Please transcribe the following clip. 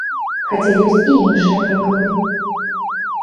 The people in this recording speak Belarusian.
Хаця ёсць і іншыя прыклады.